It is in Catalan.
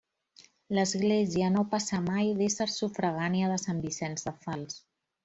L'església no passà mai d'esser sufragània de Sant Vicenç de Fals.